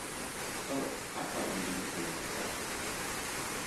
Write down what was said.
Oh, I thought you didn't hear what I said.